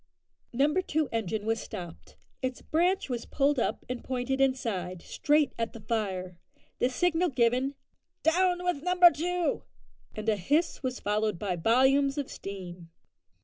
Number two engine was stopped. Its branch was pulled up and pointed inside straight at the fire; the signal given, "Down with number two!" and a hiss was followed by volumes of steam.